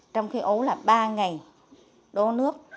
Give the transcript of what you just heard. trong khi ố là ba ngày đô nước